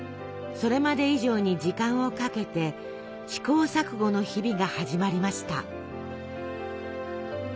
それまで以上に時間をかけて試行錯誤の日々が始まりました。